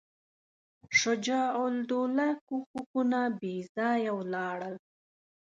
شجاع الدوله کوښښونه بېځایه ولاړل.